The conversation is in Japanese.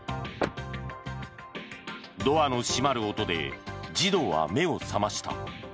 ドアの閉まる音で児童は目を覚ました。